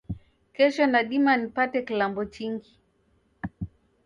Kesho nadima nipate kilambo chingi?